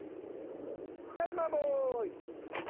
タイマーボーイ！